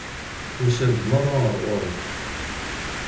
Usan-d meṛṛa ar ɣur-i!